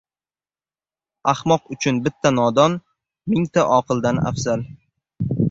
• Ahmoq uchun bitta nodon mingta oqildan afzal.